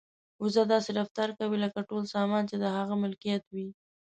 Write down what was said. وزه داسې رفتار کوي لکه ټول سامان چې د هغې ملکیت وي.